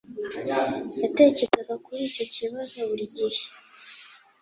Yatekerezaga kuri icyo kibazo buri gihe